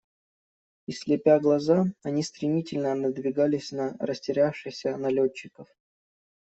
И, слепя глаза, они стремительно надвигались на растерявшихся налетчиков.